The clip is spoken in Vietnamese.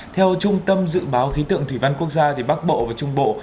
theo trung tâm dự báo khí tượng thủy văn quốc gia bắc bộ và trung bộ